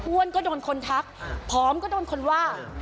ก็โดนคนทักผอมก็โดนคนว่า